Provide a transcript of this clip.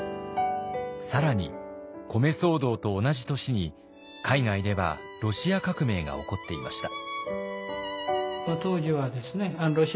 更に米騒動と同じ年に海外ではロシア革命が起こっていました。